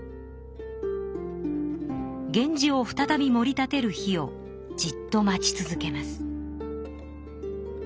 源氏を再びもり立てる日をじっと待ち続けます。